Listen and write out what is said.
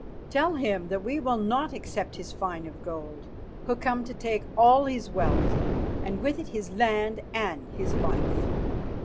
"Tell him that we will not accept his fine of gold, who come to take all his wealth, and with it his land and his life.